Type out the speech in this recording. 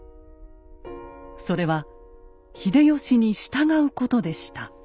それは秀吉に従うことでした。